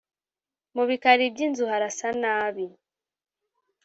mu bikari by’inzu harasa nabi